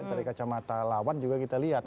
dari kacamata lawan juga kita lihat